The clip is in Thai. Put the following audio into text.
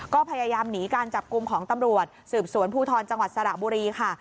ก็พยายามหนีการจับกลุ่มของตำรวจสืบสวนภูทรจังหวัดสระบุรีค่ะ